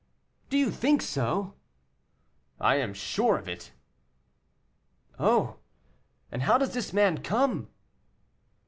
"Do you think so?" "I am sure of it." "Oh! and how does this man come?"